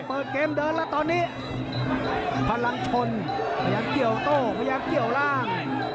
เปิดเกมเดินแล้วตอนนี้พลังชนพยายามเกี่ยวโต้พยายามเกี่ยวล่าง